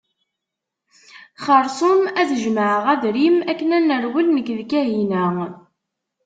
Xerṣum ad jemɛeɣ adrim akken ad nerwel nekk d Kahina.